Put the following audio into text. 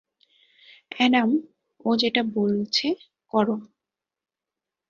Adam, ও যেটা বলছে করো।